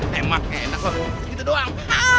tembaknya enak kita doang